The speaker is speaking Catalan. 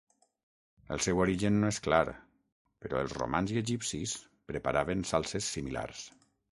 El seu origen no és clar, però els romans i egipcis preparaven salses similars.